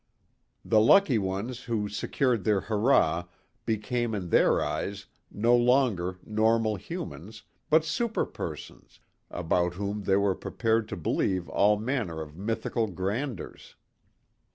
The lucky ones who secured their hurrah became in their eyes no longer normal humans but super persons about whom they were prepared to believe all manner of mythical grandeurs.